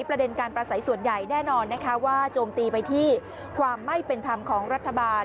ประเด็นการประสัยส่วนใหญ่แน่นอนนะคะว่าโจมตีไปที่ความไม่เป็นธรรมของรัฐบาล